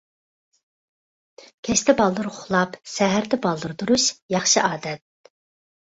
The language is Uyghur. كەچتە بالدۇر ئۇخلاپ، سەھەردە بالدۇر تۇرۇش — ياخشى ئادەت.